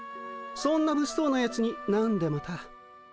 そんなぶっそうなやつになんでまた。